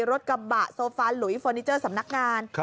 รถกระบะโซฟาหลุยเฟอร์นิเจอร์สำนักงาน